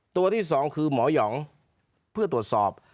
ตัวที่๒คือหมอยอ๋อเพื่อตรวจสอบ